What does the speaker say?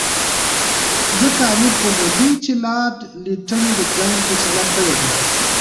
ځکه امیر پوهېدی چې لارډ لیټن د جنګ فیصله کړې ده.